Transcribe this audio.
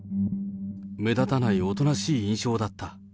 目立たないおとなしい印象だった。